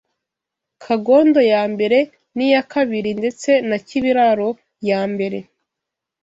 Kangondo ya mbere n’iya kabiri ndetse na Kibiraro ya mbere,